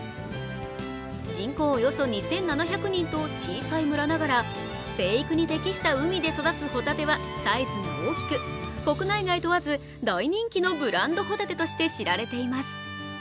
人口およそ２７００人と小さい村ながら成育に適した海で育つホタテはサイズも大きく、国内外問わず大人気のブランドホタテとして知られています。